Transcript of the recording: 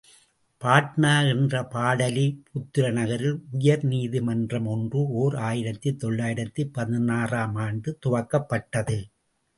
பாட்னா என்ற பாடலி புத்திர நகரில் உயர்நீதிமன்றம் ஒன்று ஓர் ஆயிரத்து தொள்ளாயிரத்து பதினாறு ஆம் ஆண்டு துவக்கப்பட்டது.